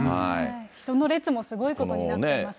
人の列もすごいことになってますね。